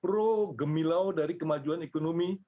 pro nato pro gemilau dari kemajuan ekonomi